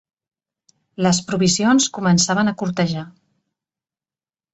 Les provisions començaven a curtejar.